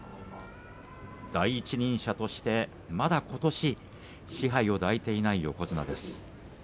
第一人者として、まだ、ことし賜盃を抱いていない横綱です。